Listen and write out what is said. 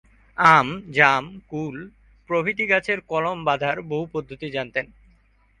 আম, জাম, কুল প্রভৃতি গাছের কলম বাঁধার বহু পদ্ধতি জানতেন।